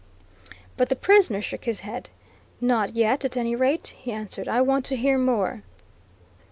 But the prisoner shook his head. "Not yet, at any rate," he answered. "I want to hear more."